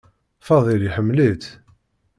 Fadil iḥemmel-itt.